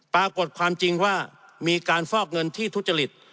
ปรากฏความจริงว่ามีการฟอกเงินที่ทุจริต